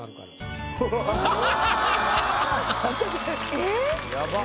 えっ？